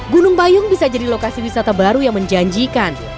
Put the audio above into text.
gunung payung bisa jadi lokasi wisata baru yang menjanjikan